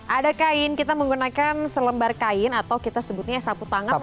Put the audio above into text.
ada kain kita menggunakan selembar kain atau kita sebutnya sapu tangan